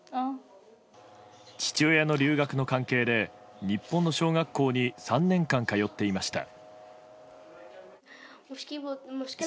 父親の留学の関係で日本の小学校に３年間通っていました。